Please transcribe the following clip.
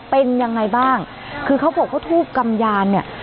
เป็นยังไงบ้างคือเขาบอกว่าทูบกำยานเนี่ย